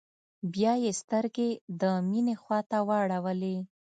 بيا يې سترګې د مينې خواته واړولې.